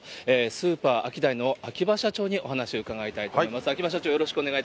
スーパーアキダイの秋葉社長にお話を伺いたいと思います。